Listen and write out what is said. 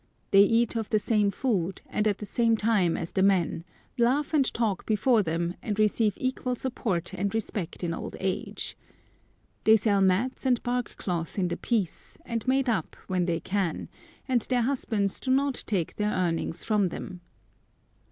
They eat of the same food, and at the same time as the men, laugh and talk before them, and receive equal support and respect in old age. They sell mats and bark cloth in the piece, and made up, when they can, and their husbands do not take their earnings from them.